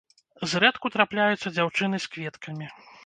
Зрэдку трапляюцца дзяўчыны з кветкамі.